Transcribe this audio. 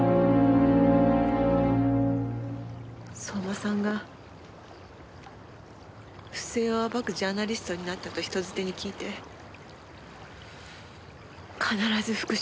相馬さんが不正を暴くジャーナリストになったと人づてに聞いて必ず復讐に現れると思ったわ。